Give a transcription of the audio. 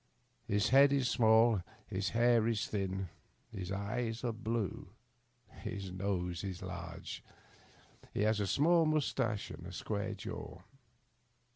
His head is small, his hair is thin, his eyes are blue, his nose is large, he has a small mustache, and a square jaw.